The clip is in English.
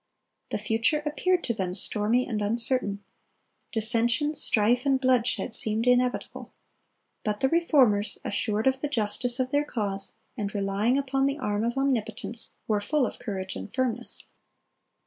The future appeared to them stormy and uncertain. Dissension, strife, and bloodshed seemed inevitable. But the Reformers, assured of the justice of their cause, and relying upon the arm of Omnipotence, were "full of courage and firmness."